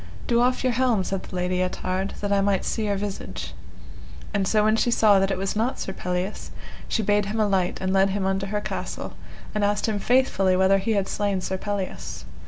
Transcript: Do off your helm, said the Lady Ettard, that I may see your visage. And so when she saw that it was not Sir Pelleas, she bade him alight and led him unto her castle, and asked him faithfully whether he had slain Sir Pelleas.